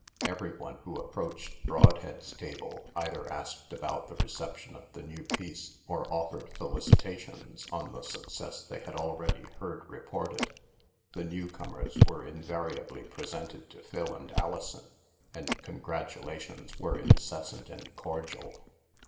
Every one who approached Brod head's table either asked about the receptic«i of the new piece or offered felicitations on the success they had already heard reported. The newcomers were invariably presented to Phil and Alison, and con gratulations were incessant and cordial.